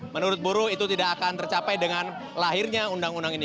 menurut buruh itu tidak akan tercapai dengan lahirnya undang undang ini